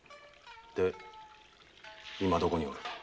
で今どこにおる？